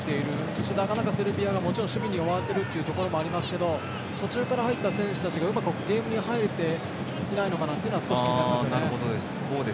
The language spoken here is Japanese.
そして、なかなかセルビアが守備に追われているところもありますけど途中から入った選手がうまくゲームに入れていないのかなというのは少し気になりますね。